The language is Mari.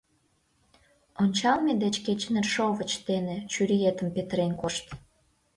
Ончалме деч кеч нершовыч дене чуриетым петырен кошт.